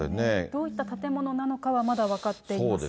どういった建物なのかは、まだ分かっていません。